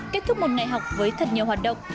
kết thúc một ngày học với thật nhiều hoạt động